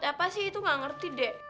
apa sih itu gak ngerti dek